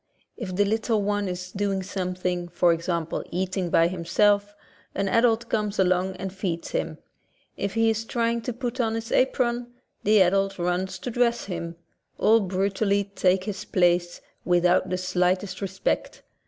If the little one is doing something, for example eating by himself, an adult comes along and feeds him; if he is trying to put on his apron, the adult runs to dress him ; all brutally take his place, without the slightest respect.